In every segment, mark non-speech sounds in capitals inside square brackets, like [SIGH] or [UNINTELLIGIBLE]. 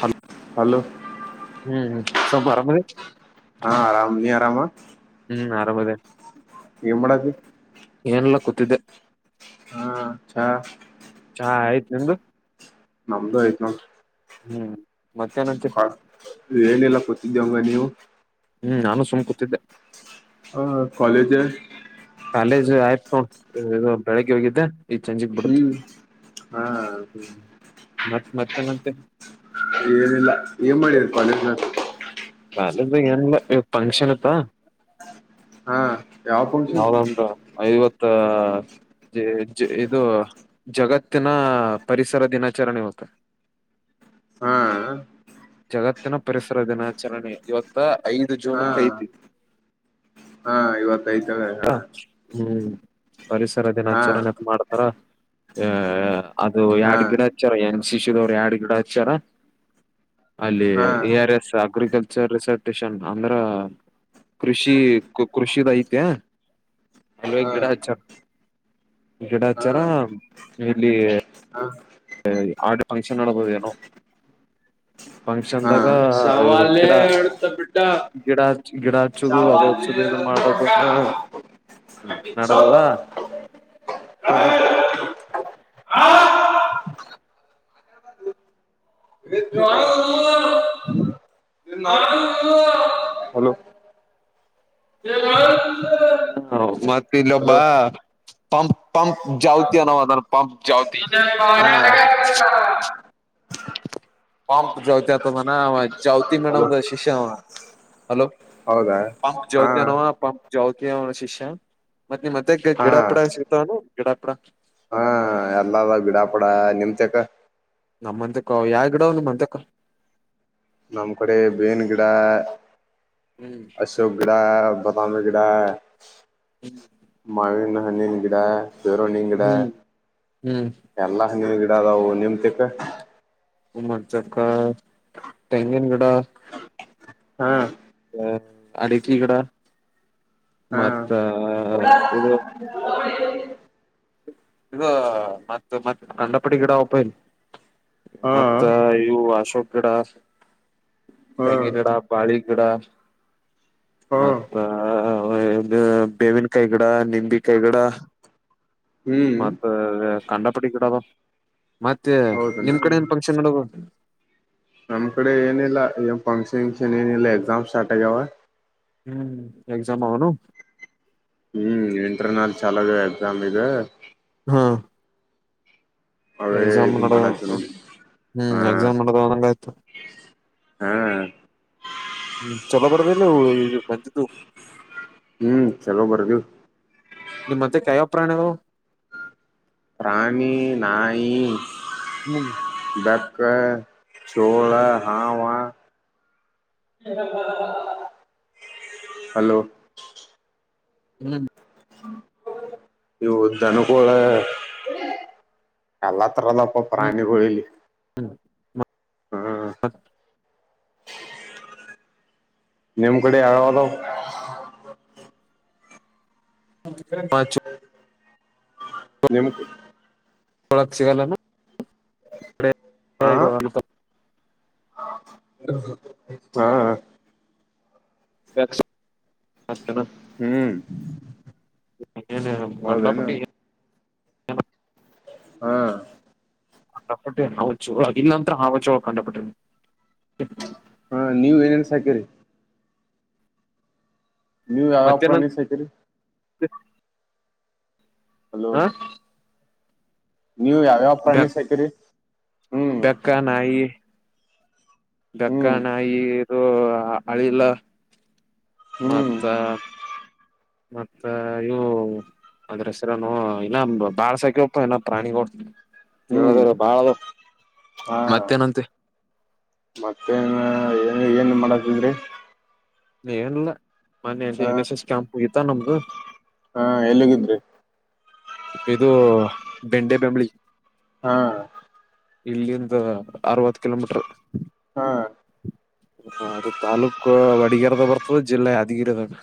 Hello hello ಹ್ಮ್್ಮ ಸ್ವಪ ಅಹ್ರಾಮಾ ಹಾ ಆರಾಮ ನೀ ಆರಾಮ ಹ್ಮ ಆರಾಮ ಅದೇ ಎಮ್ಮಳದು ಏನೆಲ್ಲಾ ಕೂತಿದ್ದೆ ಹ್ಮ ಚ ಚಾ ಆಯ್ತ್ ನಿಮ್ದು ನಮ್ದು ಆಯ್ತು ಹ್ಮ್ ಮತ್ತೇನಂಚ ಏನೆಲ್ಲ ಕೂತಿದ್ದೀವಂಗ ನೀವು ಹ್ಮ್ ನಾನು ಸುಮ್ ಕೂತಿದ್ದೆ ಹ ಕಾಲೇಜ್ ಕಾಲೇಜ್ ಆಯ್ತ್ಕೊಂಡ ಬೆಳಗ್ಗೆ ಹೋಗಿದ್ದೆ ಈ ಚಂಜಿಗ್ ಬಿಡತು ಹ್ಮ್ ಹಾ ಹ್ಮ್ ಮತ್ತ ಮರ್ಕ ನಂತ ಏನಿಲ್ಲ ಏನ್ ಮಾಡಿರ್ ಕಾಲೇಜು ಕಾಲೇಜ್ ಎನಿಲ್ಲಾ ಫಂಕ್ಷನ್ ಎತು ಹಾ ಯಾವ ಫಂಕ್ಷನ್ ನಾವ ಐವತ್ತ ಇದು ಜಗತ್ತಿನ ಪರಿಸರ ದಿನಾಚರಣೆ ಎವತು ಹಾ ಜಗತ್ತಿನ ಪರಿಸರ ದಿನಾಚರಣೆ ಇವತ್ತ ಐದು ಜೂನ್ ಹಾ ೈದಿ ಹಾ ಇವತ್ತ ಐತಳೆ ಹಾ ಹ್ಮ್ ಪರಿಸರದನ್ ಹಚ್ಚಾರನಪ್ಪ ಮಾಡ್ತಾರ ಅ ಅದು ಹಾ ಎಡ್ ಗಿಡ ಹಚ್ಚಾರ ಏನ್ ಶಿಶುುದವ್್ರ ಯರಡು ಗಿಡ ಹಚ್ಚಾರ ಅಲ್ಲಿ ಹಾ ಹಾ A R S agriculture research station ಅಂದ್ರ ಕೃಷಿ ಕೃಷಿದ ಐತೆ ಅಲ್ವೇ ಹಾ ಗಿಡ ಹಚ್ಚಾರ ಗಿಡ ಹಾ ಹಚಾರ ಇಲ್ಲಿ ಹಾ ಆಡು ಫಕ್ಷನ್ ವೇಣ ಫಂಕ್ಷನ್ ಹಾ ನಾಗ ಸವಾಲೆ ಗಿಡ ಅಡ್ತ ಬಿಟ್ಟ ಗಿಡ ಗಿಡ ಹಚ್ಚದು ಅದು ಹಚ್ಚುದು ಇದು ಮಾಡದು ನಡದದ ಸವಾಲೆ ಹ ಹಾ ಹಲೋ [UNINTELLIGIBLE] [INAUDIBLE] ಹ ಮತ್ತ ಹಲೋ ಇಲ್ಲೊಬ್ಬಾ ಪಂ ಪಂಪ ಜಾವತಿ ಅ ನವತಾನ ಪಂಪ ಜಾವತಿ ಹಾ [INAUDIBLE] ಪಂ ಜಾವತಿ ಅತ ಮಾನ ಜಾವತಿ ಹಲೋ ಮೇಡಮದ ಶಿಷ್ಯ ಹಲೋ ಹೌದಾ ಪಂಪ್ ಹಾ ಜ್ಯೋತಿಯನವ ಪಂಪ್ ಜ್ಯೋತಿಯ ಅವನ ಶಿಷ್ಯ ಮತ್ತತ್ ನಿಮ್ ಮತ್ತೆ ಹಾ ಗಿಡಾಪಿಡ ಸಿಗತಾವನು ಗಿಡಾಪಿಡ ಹಾ ಎಲ್ಲದ ಗಿಡಾಪಡ ನಿಮ ಚಕ್ಕ ನಮ್ಮಂತಕ್ಕ ಯಾವ ಗಿಡಾವ ನಿಮಮ್ಮಂತಕ್ಕ ನಮ್ಮ್, ಕಡೆ, ಬೇವಿನು, ಗಿಡ, ಹ್ಮ್ ಅಶೋಕ್, ಗಿಡ? [UNINTELLIGIBLE] ಮಾಮೂಲಿ, ಗಿಡ, ಮಾವಿನ, ಹಣ್ಣಿನ ಗಿಡ. [INAUDIBLE] ಬೇರೋಣನ್, ಗಿಡ, ಹ್ಮ್ ಹ್ಮ್ ಎಲ್ಲ, ನೀನ್ ಗಿಡ ಅದಾವ ನಿಮತಕ್. [UNINTELLIGIBLE] ಏನ್ ಮಾಡ್ತೀಯಾ ಅಕ್ಕ ತೆಂಗಿನ ಗಿಡ? [INAUDIBLE] ಹಾ. [INAUDIBLE] ಹೇ, ಇತ್ತುಲಿ, ಗಿಡ. [INAUDIBLE] ಹಾ ಮತ್ತೆ, ಇದು. [UNINTELLIGIBLE] ಇದು, ಮತ್ತ, ಮತ್ತೆ, ಕಡ್ಲೆ ಪುಡಿ ಗಿಡ ಓಪನ್. ಹಾ [INAUDIBLE] ಮತ್ತ, ಇವು, ಅಶೋಕ್, ಗಿಡ. [UNINTELLIGIBLE] ಹಾ ತೆಂಗಿನ ಗಿಡ ಪಾಳಿನ್ ಗಿಡ. ಹಾ [INAUDIBLE] ಮತ್ತ, ಇದು, ಬೇವಿನ ಕಾಯಿ, ಗಿಡ ನಿಂಬಿ ಕಾಯಿ, ಗಿಡ. [INAUDIBLE] ಹ್ಮ್ ಮತ್ತೆ, ಕಂಡ, ಪಡಿ, ಬಿಡದು. [INAUDIBLE] ಮತ್ತೆ, ನಿಮ್ ಕಡೆ! ಹೌದನಾ ಏನ್ ಫಂಕ್ಷನು, ಮಾಡಲ್ಲವ. [INAUDIBLE] ನಮ್ಮ್, ಕಡೆ ಏನಿಲ್ಲ! ಏ ಫಂಕ್ಷನ್, ಗೆಂಕ್ಷನ್, ಏನು, ಇಲ್ಲ. ಎಕ್ಸಾಮ್ ಸ್ಟಾರ್ಟ್, ಆಗದೇ. [INAUDIBLE] ಹ್ಮ್, ಎಕ್ಜಾಮ್ ಅವನು? [INAUDIBLE] ಹ್ಮ್, ಇಂಟರ್ ನಲ್, ಚಲೋದ, ಎಕ್ಸಾಮ್ ಇದೆ? [INAUDIBLE] ಹಾ. [INAUDIBLE] ಅವೇ ಎಕ್ಸಾಮ್, ಇದು ನೋಡು, ಮಾಡಾತಿವ್ ನೋಡ್ ಹ್ಮ್ ಹಾ ಎಕ್ಸಾಮ್, ನೋಡಿದಾಗ ಅಂಗೆ ಇತ್ತು. [INAUDIBLE] ಹಾ. [INAUDIBLE] ಹ್ಮ್, ಚಲೋ ಬರದಿಲ್ಲ! ಇ, ಬಂದಿದ್ದು. [INAUDIBLE] ಹ್ಮ್, ಚಲೋ, ಬರುಧಿವಿ. [INAUDIBLE] ನೀವು, ಮತ್ತೆ, ತಾಯಪ್ರನ, ಅನ್ನೋದು. [INAUDIBLE] ಹನಿ, ಪ್ರಾಣಿ ನಾಯಿ. [INAUDIBLE] ಹ್ಮ್. [INAUDIBLE] ಚಕ್ಕ, ಚೋಳ ಹಾವ. [INAUDIBLE] ಹಲೋ? [UNINTELLIGIBLE] ಹ್ಮ್. [INAUDIBLE] ಇವು, ಧನಕೋಗವ್ರೆ. [UNINTELLIGIBLE] ಅವಾಂತರಗಳು, ಹ್ಮ್ ಪ್ರಾಣಿಗಳು, ಇಲ್ಲಿ? [INAUDIBLE] ನಿಮ್, ಕಡೆ, ಯಾವಧಿಯವ್ಧು? [INAUDIBLE] ಅಚ್ಚು. [UNINTELLIGIBLE] ನಿಮ್. [INAUDIBLE] ಒಳಕ್, ಸಸಿಗಲೇನ? ಹಾ [UNINTELLIGIBLE] ಹಾ. [UNINTELLIGIBLE] ಯಾಕ್ಸ್. [UNINTELLIGIBLE] ಹ್ಮ್. [INAUDIBLE] ಮತ್ತೇನು, ಹೌದೇನು ಕಂಡಾಪುಟ್ಟಿ? [UNINTELLIGIBLE] ಹಾ. [UNINTELLIGIBLE] ಕಂಡಾಪುಟ್ಟಿ, ಒಂದುಚುರು, ಇಲ್ಲಿ ಒಂತರ, ಹಾವುಗಳು ಕಂಡಪಟಿನಿ. [UNINTELLIGIBLE] ಹಾ, ಇಲ್ಲಿ, ಏನುಬೆರೈನುಸು, ಅಕ್ಕಿಧಿರಿ. [UNINTELLIGIBLE] ನಿಂಗ್ ಆಗಲ್ಲಪ್ಪ ಮತ್ತೇನಂತ ನೀವು ಸಾಕಿರಿ. [UNINTELLIGIBLE] [UNINTELLIGIBLE] [INAUDIBLE] ಹಾ. [UNINTELLIGIBLE] ನೀವು, ಯಾವ್ಯಾವ, ಪ್ರಾಣಿ, ಸಾಕಿರಿ? [UNINTELLIGIBLE] ಹ್ಮ್ ಬೆಕ್ಕ, ನಾಯಿ. [INAUDIBLE] ಬೇಕ, ಹ್ಮ್ ನಾಯಿ, ಇದು, ಅಳಿಲ್ಲ. [INAUDIBLE] ಹ್ಮ್ ಮತ್ತ. [INAUDIBLE] ಮತ್ತ, ಇವು! [INAUDIBLE] ಅದ್ರ, ಹೆಸಿರನು ಇಲ್ಲ, ಬಾಳಸಾಕೀರಪ್ಪ, ಏನೋ ಪ್ರಾಣಿಗಳು. [UNINTELLIGIBLE] ಹ್ಮ್ ಕೇಳದ್ರ ಬಾಳದು ಹಾ ಮತ್ತೇನಂತೆ ಮತ್ತೇನ್ ಏನ್ ಏನ್ ಮಾಡತಿದ್ರಿ ಏನಲ್ಲಾ ಮನ್ನೆ ಹ ಎನ್ ಎಸ್ ಎಸ್ ಕ್ಯಾಂಪ ಮುಗಿತ್ತಾ ನಮ್ದು ಹಾ ಎಲ್ಲಿಗಿದ್ರಿ ಇದು ಬೆಂಡೆ ಬೆಂಬಳಿ ಹ್ಮ ಇಲ್ಲಿಂದ ಅರವತ್ತು ಕಿಲೋಮೀಟರ್ ಹಾ ಹ ಅದು ತಾಲೂಕ ವಡಿಗರದಾಗ ಬರ್ತದೆ ಜಿಲ್ಲೆ ಯಾದಗಿರಿದಾಗ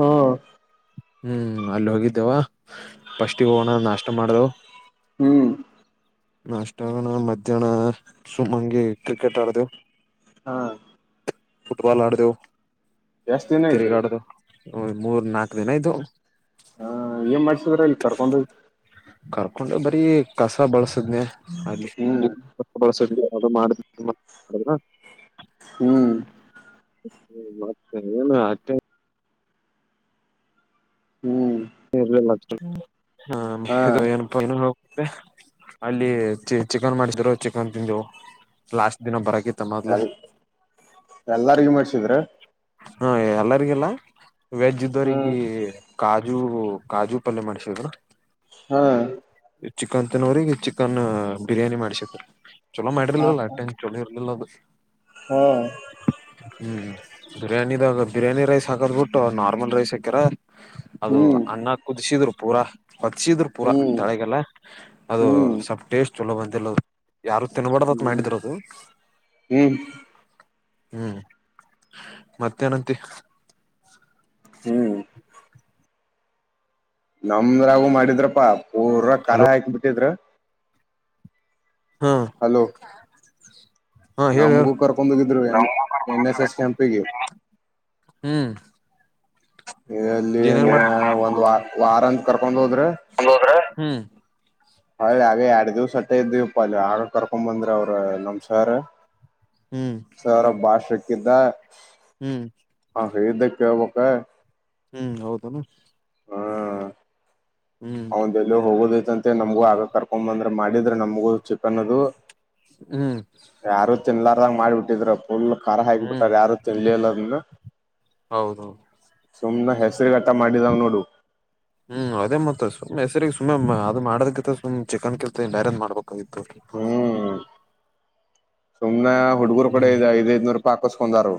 ಹ್ಮ ಹ್ಮ್ ಅಲ್ಲಿ ಹೋಗಿದ್ದೆವ ಫಸ್ಟಿಗ್ ಹೋಗಣ ನಾಷ್ಟ ಮಾಡು ಹ್ಮ್ ನ ಅಷ್ಟಗಣ ಮಧ್ಯಾಹ್ನ ಸುಮಂಗಿ ಕ್ರಿಕೆಟ್ ಆಡ್ದವು ಹಾ ಫುಟ್ಬಲ್ ಆಡದೇವು ಜಾಸ್ ದಿನ ಇದ್ರಿ ಹ್ ಮೂರ್ ನಾಕು ದಿನ ಇಯ್ದು ಹ ಏನ್ ಮಾಡ್ಸಿದ್ರ ಇಲ್ಲಿ ಕರ್ಕೊಂಡ ಹೋಗಿ? ಕರ್ಕೊಂಡು ಬರೀ ಕಸ ಬಳಿಸಿದ್ವಿ ಹ್ಮ್ [UNINTELLIGIBLE] ಹ್ಮ್ ಹ್ಮ ಮತ್ತೆ ಏನು ಅತ್ತೆ ಹ್ಮ್ ಹ ಹಾ ಇದು ಏನಪ್ಪಾ ಏನು ಹೋಗುತ್ತೆ [UNINTELLIGIBLE] ಅಲ್ಲಿ ಚಿ ಚಿಕನ್ ಮಾಡ್ಸಿದ್ರು ಚಿಕನ್ ತಿಂದ್ವು. ಲಾಸ್ಟ್ ದಿನ ಬರಕಿತ್ತ ಮೊದ್ಲು ಎಲ್ಲಾರಗೂ ಮಾಡ್ಸಿದ್ರಾ ಹಾ ಎಲ್ಲರಿಗಿಲ್ಲ ವೆಜ್ ಇದ್ದವಗ್ರಿ ಹ್ಮ್ ಕಾಜು ಕಾಜು ಪಲ್ಯ ಮಾಡ್ಸಿದ್ರ ಹಾ ಚಿಕನ್ ತಿನ್ನೋರ್ಗಿ ಚಿಕನ್ ಬಿರಿಯಾನಿ ಮಾಡ್ಸಿದ್ರು ಚೊಳ ಹಾ ಮಾಡಲ್ಲಲ್ಲ ಟನ್ ಚೊಳ ಇರಲಲ್ಲ ಹಾ ಹ್ಮ್ ಬಿರಯಾನಿದಾಗ ಬಿರಿಯಾನಿ ರೈಸ್ ಹಾಕದ್ ಬಿಟ್ಟು ನಾರ್ಮಲ್ ರೈಸ್ ಹಾಕ್ಯರ. ಅದು ಹ್ಮ್ ಅನ್ನ ಕುದಿಸಿದ್ರು ಪೂರಾ ಹೊಚ್ಚಸಿದ್ರು ಪೂರಾ ಹ್ಮ್ ತಳಗೆಲ್ಲ ಅದು ಹ್ಮ್ ಟೇಸ್ಟ್ ಚಲೋ ಬಂದಿಲ್ಲ ಯಾರು ಹ್ಮ್ ತಿನ್ಬಾರಡ್ದತ್ ಹ್ಮ್ ಮಾಡಿದರದು ಹ್ಮ್ ಹ್ಮ್ ಮತ್ತೇನಂತಿ ಹ್ಮ್ ನಮ್ದ್ರಾಗೂ ಮಾಡಿದ್ರಪ್ಪಾ ಪೂರ ಕಾರ ಹಲೋ ಹಾಕ್ ಬಿಟ್ಟಿದ್ರ ಹಾ ಹಲೋ ಹಾ ಹೇಳ ಹೇಳ ನಮ್ಗೂ ಕರ್ಕೊಂಡ ಬಂದಿದ್ರು ಎನ್ ಎನ್ ಎಸ್ ಎಸ್ ಕ್ಯಾಂಪಿಗೆ ಹ್ಮ್ ಎಲ್ಲಿ ಏನ್ ಏನೇನ್ ಮಾಡ ಒಂದ್ ವಾರ ವಾರ ಅಂತ ಕರ್ಕೊಂಡ್ ಹೋದ್ರ ಹ್ಮ್ ಹಳ್ಳಿ ಹಾಗೆ [UNINTELLIGIBLE] ಅಲ್ಲಿ ಆ ಕರ್ಕೊಂಡ್ ಬಂದ್ರೆ ಅವ್ರ ನಮ್ ಸರ್ ಹ್ಮ್ ಸರ್ ಭಾಷೆ [INAUDIBLE] ಹ್ಮ್ ಹೇಳಿದ್ದೆ ಕೇಳಬೇಕಾ ಹ್ಮ್ ಹೌದನು ಹಾ ಹ್ಮ್ ಅವಂದ ಎಲ್ಲ ಹೋಗೋದೈತಂತೆ ನಮಗ ಆ ಕರ್ಕೊಂಡ್ ಬಂದ್ರ ಮಾಡಿದ್ರ ನಮಗೂ ಚಿಕನ್ ಅದು ಹ್ಮ್ ಯಾರು ತಿನ್ಲಾರದಂಗ ಮಾಡ್ಬಿಟ್ಟಿದರುಪ್ ಫುಲ್ ಖಾರ ಹ್ಮ್ ಹಾಕಿಬಿಟ್ಟಾರ ಯಾರ ತಿ ಇಲ್ಲಿಲ್ಲದನ್ನ ಹೌದೌದು ಸುಮ್ನೆ. ಹಸರುಗಟ್ಟ ಮಾಡಿದಾಗ ನೋಡು ಹ್ಮ್ ಅದೇ ಮತ ಸುಮ್ಮ್ ಹೆಸರಿಗೆ ಸುಮ್ಮ್ ಅದು ಮಾಡೋದಕ್ಕಿಂತ ಸುಮ್ ಚಿಕನ್ ಕೆ ಬ್ಯಾರೆದ್ ಮಾಡ್ಬೇಕು. ಹ್ಮ್ [UNINTELLIGIBLE] ಸುಮ್ನೆ ಹುಡುಗರು ಕಡೆ ಹ್ಮ್ ಐದಐದ್ನೂರು ರೂಪಾಯಿ ಹಾಕಸ್ಕಂದರು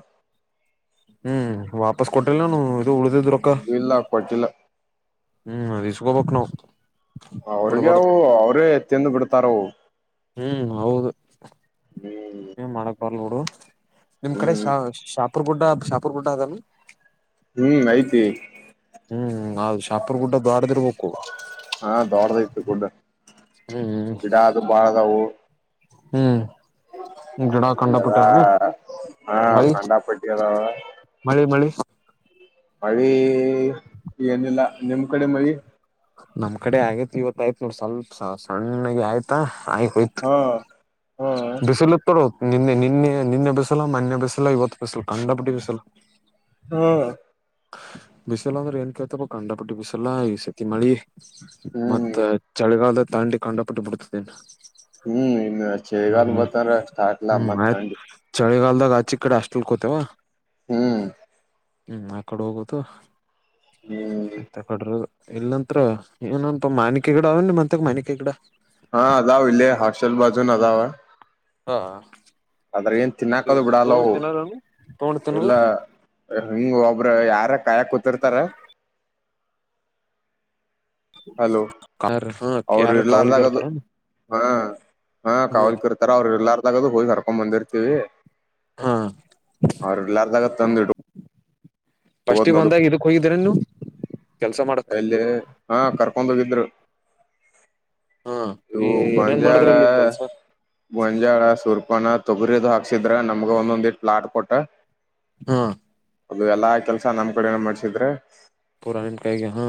ಹ್ಮ್ ವಾಪಸ್ ಕೊಟ್ಟಿಲ್ಲ ನಾನು ಇದು ಉಳ್ದಿದ್ ರೊಕ್ಕ ಇಲ್ಲ ಕೊಟ್ಟಿಲ್ಲ ಹ್ಮ್ ಅದೆಸ್ಕೋಂಬೇಕು ನಾವು ಅವ್ರಿಗೆ ಅವು ಅವ್ರೇ ಎತ್ತಿಂದು ಬಿಡ್ತಾರವು ಹ್ಮ್ ಹೌದು ಹ್ಮ್ ಏನ್ ಮಾಡಕ್ ಬರ್ಲ್ ನುಡು [UNINTELLIGIBLE] ನಿಮ್ ಕಡೆ ಹ್ಮ್ ಶಾ ಶಾಪೂರ್ ಗುಡ್ಡ ಶಾಪೂರ್ ಗುಡ್ಡ ಅದನ ಹ್ಮ್ ಐತಿ ಹ್ಮ್ ಅದು ಶಾಪುರ್ ಗುಡ್ಡ ದಾಡದಿರ್ಬೇಕು ಹಾ ದೊಡದ ಐತಿ ಗುಡ್ಡ ಹ್ಮ್ ಗಿಡ ಅದು ಬಾಳ ಅದವು ಹ್ಮ್ ಜಡಾ ಅಲ್ಲೆಲ್ಲ ಕಂಡಪುಟ್ಟ್ಣ ಹಾ ಬೈ ಕಂಡಾಪಟ್ಟಿ ಅದಾವ ಮಳ್ಳಿ ಮಳ್ಳಿ ಮಳಿ ಏನಿಲ್ಲ ನಿಮ್ ಕಡೆ ಮಳಿ ನಮ್ ಕಡೆ ಆಗೇತ ಇವತ್ ಆಯ್ತ ನೋಡ ಸ್ವಲ್ಪ ಸ ಸಣ್ಣಗೆ ಆಯ್ತಾ ಆಗಿ ಹೋಯ್ತು ಹಾ ಹಾ ಬಿಸಿಲು ಉತರ ನಿನ್ನೆ ನಿನ್ನೆ ನಿನ್ನೆ ಬಿಸಲ್ಲ ಮನ್ನೆ ಬಸೆ ಇವತ್ತು ಬಿಸಲ್ಲ ಕಂಡಪುಟ್ಟಿ ಬಿಸಲ್ಲ [UNINTELLIGIBLE] ಹಾ ಬಿಸಿಲು ಅಂದ್ರೆ ಏನ್ ಕೇಳ್ತಪ್ಪ ಕಂಡಪಟ್ಟಿ ಬಿಸಲ್ಲಾ ಈ ಸತಿ ಮಳಿ ಹ್ಮ್ ಮತ್ತ ಚಳಿಗಾಲದ ತಾಂಡಿ ಕಂಡಪಟ್ಟು ಬಿಡ್ತದೆನ್ನು ಹ್ಮ್ ಇನ್ನು ಚಳಿಗಾಲ ಹ್ಮ್ ಬತ್ತಂದ್ರ ಸ್ಟಾರ್ಟ್ಲ ಹ್ಮ್ ಹ್ಮ್ ಮತ್ ಆಯ್ತ್ ತಂಡಿ ಚಳಿಗಾಲದಾಗ ಆ ಚಿ ಕಡೆ ಅಷ್ಟಲ್ಕೋತೇವ ಹ್ಮ್ ಹ್ಮ್ ಆ ಕಡೆ ಹೋಗುದು ಹ್ಮ್ ಆತ್ ಆ ಕಡರು [UNINTELLIGIBLE] ಇಲ್ಲಂತ್ರ ಏನನ್ಪ ಮಾನಿಕಿ ಗಿಡ ಅವನ್ ಮತ್ಗ ಮಾನಿಕಕೀಗಳ [UNINTELLIGIBLE] ಹಾ ಅದಾವು ಇಲ್ಲ ಹಾಸ್ಟೆಲ್ ಬಾಜುನ ಅದಾವ ಹಾ ಆದದ್ರ ಏನ್ ತಿನ್ನಾಕದು ಬಿಡ ಅಲ್ಲ ತೊಂಡ್ ಅವು ತಿನ್ನಲ್ಲನು ತೊಂಡ್ ಇಲ್ಲ ತಿನ್ನಲ್ಲ ಹಿಂಗ ಒಬ್ರ ಯಾರ ಕಾಯ ಕೂತಿರ್ತಾರ ಹಲೋ ಹ ಅವರು ಯಾರ ಕಾವಲಿಗ ಇರ್ಲಾರ್ದಾಗದು ಇರ್ತಾರ ಹಾ ಹಾ ಹ್ಮ್ ಕಾವಲ್ ಕರ್ತಾರ ಅವ್ರರು ಎಲ್ಲಾರ ದು ಹೋಗಿ ಕರ್ಕೊಂಡ್ ಬಂದಿರ್ತೀವಿ ಹಾ ಅವ್ರಲ್ಲಾರ್ದಾಗದ ತಂದ್ಿಡು [UNINTELLIGIBLE] ಫಸ್ಟ್ ಗೆ ಒಂದಾಗ ಇದಕ್ ಹೋಗಿದ್ದೀರ ನೀವು [INAUDIBLE] ಎಲ್ಲಿ ಹಾ ಕರ್ಕೊಂಡು ಹೋಗಿದ್ರು ಹಾ ವು ಏನೇನ್ ಗಂಜಾಳ ಮಾಡಿದ್ರಲ್ಲಿ ಕೆಲ್ಸ ಗಂಜಾಳ ಸುರ್ಪ [UNINTELLIGIBLE] ನ ತೊಗರಿದು ಹಾಕ್ಸಿದ್ರ ನಮ್ಗ ಒಂದೊಂದ್ ಇ ಪ್ಲಾರ್ ಕೊಟ್ಟ ಹಾ ಅದು ಎಲ್ಲಾ ಕೆಲ್ಸ ನಮ್ಮ್ ಕಡೆ ಮಾಡ್ಸಿದ್ರೆ ಪುರಾನ್ ಕೈಗೆ ಹಾ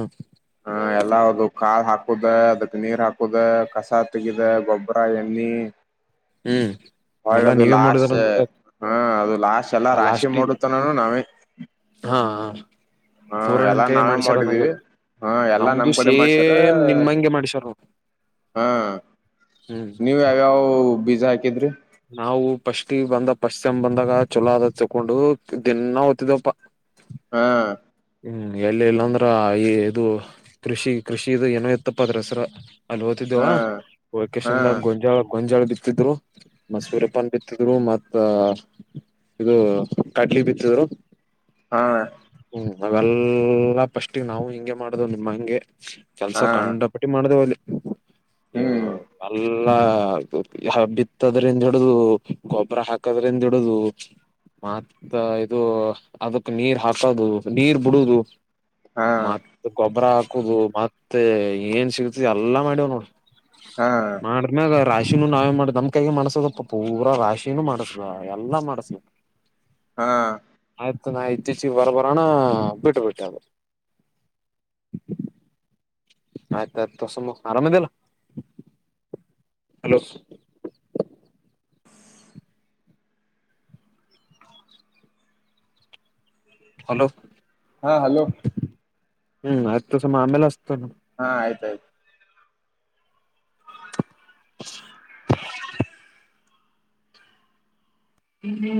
ಎಲ್ಲಾ ಅ ಕಾ ಹಾಕುದ ಅದಕ್ ನೀರ್ ಹಾಕುದ ಕಸ ತೆಗಿದೆ ಗೊಬ್ಬರ ಎಣ್ಣಿ ಹ್ಮ್ ಹೊಳ್ಳ ಎಲ್ಲಾ ಅದು ನೀವೇ ಮಾಡಿದಾರ ಲಾಸ್ಟ್ ಅಂದಂಗ ಹಾ ಅದು ಲಾಸ್ಟ್ ಎಲ್ಲಾ ರಾಶಿ ಲಾಸ್ಟಿಗೆ ಮೂುತ್ತನಾನ ನಾವೇ [UNINTELLIGIBLE] ಹಾ ಹಾ ಪೂರಾ ಎಲ್ಲಾ ನಿಮ್ ಕೈಗೆ ನಾವೇ ಮಾಡ್ಸ್ಯಾರ ಮಾಡಿದೀವಿ ಅಂದಂಗ ಹಾ ಎಲ್ಲಾ ನಮ್ದು ನಮ್ ಕಡೆ ಮಾಡ್ಸೋರೆ ಸೇಮ್ ನಿಮ್ಮಂಗೆ ಮಾಡಿಸ್ಯಾರ ನೋಡ್ ಹಾ ನೀವು ಯಾವ್ಯಾವ ಬೀಜ ಹಾಕಿದ್ರಿ ನಾವು ಫಸ್ಟ್ ಗೆ ಬಂದಾಗ ಫಸ್ಟ್ ಸೇಮ್ ಬಂದಾಗ ಚೊಲೋ ಅದ ತಕೊಂಡು ದಿನ ಓದ್ತಿದವಪ್ಪ ಹಾ ಹ್ಮ್ ಎಲ್ಲಿ ಇಲ್ಲಾಂದ್ರ ಈ ಇದು ಕೃಷಿ ಕೃಷಿ ಏನೋ ಇತ್ತಪ್ಪ ಆದ್ರೂ ಹೆಸರು ಅಲ್ಲಿ ಓ್ತಿದ್ದೇವ ಹಾ ಹಾ ವೋಕೇಶನ್ದಾಗ ಗೊಂಜಾಳ ಗೊಂಜಾಳ [UNINTELLIGIBLE] ಬಿತ್ತಿದ್ರು ಮ ಸೂರ್ಯಪ್ಪನ್ ಬಿತ್ತಿದ್ರು ಮತ್ತ [UNINTELLIGIBLE] ಇದು ಕಟ್ಲಿ ಬಿತ್ತಿದ್ರು ಹಾ ಹ್ಮ್ ಅವೆಲ್ಲ ಪಫಸ್ಟ್ ನಾವು ಹಿಂಗೆ ಮಾಡುದು ನಿಮ್ಮ ಹಂಗೆ ಕೆಲ್ಸ ಹಾ ಕಂಡಪಟ್ಟಿ ಮಾಡ್ದೇ ಹ್ಮ್ ಅಲ್ ಎಲ್ಲ ಬಿತ್ತದ್ರಿಂದ ಹಿಡುದು ಗೊಬ್ಬರ ಹಾಕದ್ರಿಂದ ಹಿಡುದು ಮತ್ ಇದು ಅದಕ್ ನೀರ್ ಹಾಕದು ನೀರ್ ಬಿಡುದು ಹಾ ಮತ್ತ ಗೊಬ್ಬರ ಹಾಕುದು ಮತ್ತೆ ಏನ್ ಸಿಗತ ಎಲ್ಲಾ ಮಾಡವ್ ನೋಡ ಹಾ ಮಾಡ್ಮ್ಯದ ರಾಶಿನೂ ನಾವೇ ಮಾಡ್ದ ನಮ್ ಕೈಗೆ ಮಾಡ್ಸದಪ್ಪ ಪೂರಾ ರಾಶಿನೂ ಮಾಡಸ ಎಲ್ಲಾ ಮಾಡಸ ಹಾ ಇ ನಾ ಇತ್ತಚಿಗೆ ಬರಬರೋಣ ಬಿಟ್ಬಿಟ್ಟೆ ಅರು ಆಯ್ತಾಯಯ್ತುಸಮ ಆರಾಮದಲ್ಲ ಹಲೋ ಹಲೋ ಹಾ ಹಲೋ ಹ್ಮ್ ಹತ್ತು ಸಮ ಆಮೇಲೆ ಅಷ್ಟತನು ಹಾ ಆಯ್ತಾಯ್ತು ಹ್ಮ್ ಹ್ಮ್